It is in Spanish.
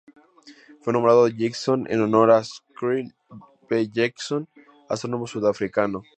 Fue nombrado Jackson en honor a Cyril V. Jackson astrónomo sudafricano.